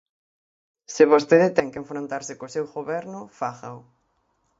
Se vostede ten que enfrontarse co seu goberno, fágao.